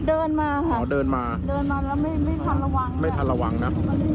เดินมาครับเดินมาแล้วไม่ทันระวังนะ